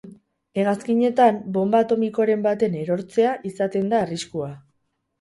Hegazkinetan, bonba atomikoren baten erortzea izaten da arriskua.